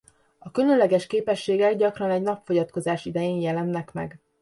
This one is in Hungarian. A különleges képességek gyakran egy napfogyatkozás idején jelennek meg.